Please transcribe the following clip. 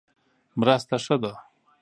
مرسته ښه ده.